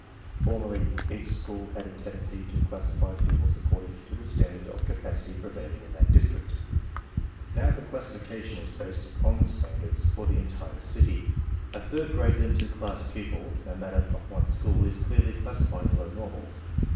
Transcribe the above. Formerly, each school had a tendency to classify pupils according to the standard of capacity prevailing in that district. Now the classification is based upon the standards for the entire city. A "third grade limited class pupil," no matter from what school, is clearly classified below normal.